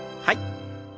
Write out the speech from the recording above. はい。